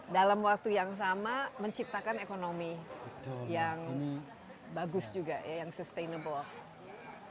dalam waktu yang sama menciptakan ekonomi yang bagus juga yang sustainable